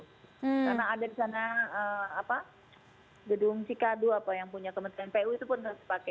karena ada di sana gedung cikadu apa yang punya kementerian pu itu pun harus dipakai